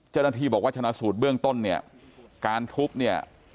เจ้าหน้าที่บอกว่าชนะสูตรเบื้องต้นเนี่ยการทุบเนี่ย